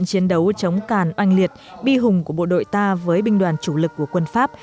chiến đấu chống càn oanh liệt bi hùng của bộ đội ta với binh đoàn chủ lực của quân pháp